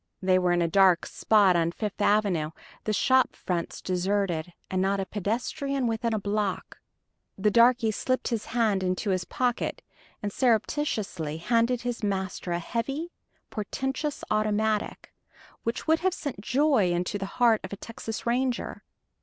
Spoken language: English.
They were in a dark spot on Fifth Avenue, the shop fronts deserted and not a pedestrian within a block. The darky slipped his hand into his pocket, and surreptitiously handed his master a heavy, portentous automatic which would have sent joy into the heart of a Texas Ranger.